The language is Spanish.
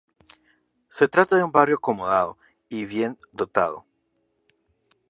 Se trata de un barrio acomodado y bien dotado.